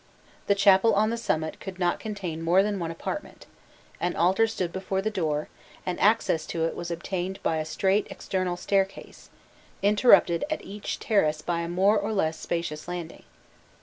* The chapel on the summit could not contain more than one apartment: an altar stood before the door, and access to it was obtained by a straight external staircase, interrupted at each terrace by a more or less spacious landing.